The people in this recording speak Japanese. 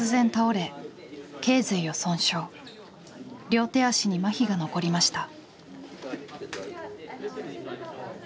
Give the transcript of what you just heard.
両手足にまひが残りました。